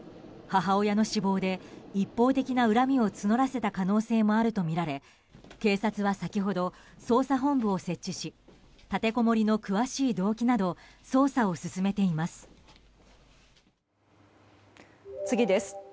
母親の死亡で一方的な恨みを募らせた可能性もあるとみられ警察は先ほど捜査本部を設置し立てこもりの詳しい動機など捜査を進めています。